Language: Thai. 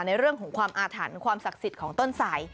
ในเรื่องของความอาถรรพ์ความศักดิ์สิทธิ์ของต้นสาย